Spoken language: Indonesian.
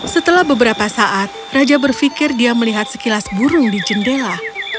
setelah beberapa saat raja berpikir dia melihat sekilas burung di jendela